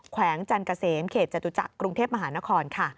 แขวงจันกระเสมเขตจตุจักรุงเทพมหานคร